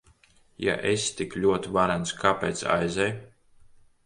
Ja esi tik ļoti varens, kāpēc aizej?